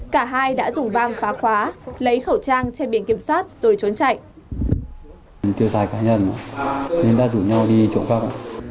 cả hai đã dùng băng phá khóa lấy khẩu trang trên biển kiểm soát rồi trốn chạy